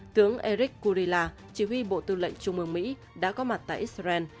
tướng eric kurila chỉ huy bộ tư lệnh trung ương mỹ đã có mặt tại israel